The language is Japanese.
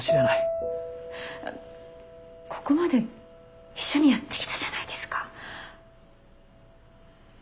ここまで一緒にやってきたじゃないですか。